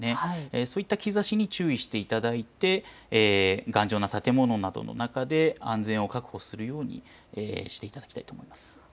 そういった兆しに注意していただいて頑丈な建物などの中で安全を確保するようにしていただきたいと思います。